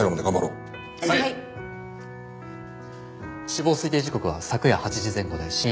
死亡推定時刻は昨夜８時前後で死因は脳挫傷。